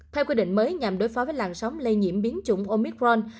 theo quy định mới nhằm đối phó với làn sóng lây nhiễm biến chủng omicron